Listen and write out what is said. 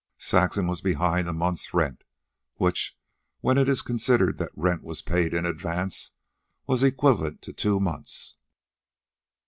Saxon was behind a month's rent, which, when it is considered that rent was paid in advance, was equivalent to two months.